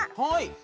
はい。